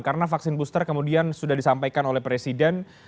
karena vaksin booster kemudian sudah disampaikan oleh presiden